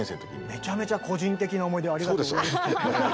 めちゃめちゃ個人的な思い出をありがとうございます。